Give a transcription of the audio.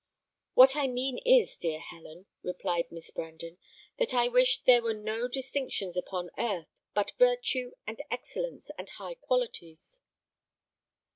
"What I mean is, dear Helen," replied Miss Brandon, "that I wish there were no distinctions upon earth, but virtue, and excellence, and high qualities."